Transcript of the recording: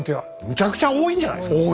むちゃくちゃ多いんじゃないですか？